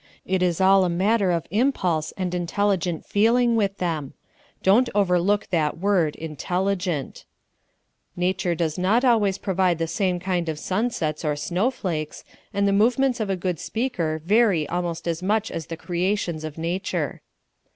It is all a matter of impulse and intelligent feeling with them don't overlook that word intelligent. Nature does not always provide the same kind of sunsets or snow flakes, and the movements of a good speaker vary almost as much as the creations of nature.